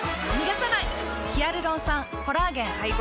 ヒアルロン酸・コラーゲン配合。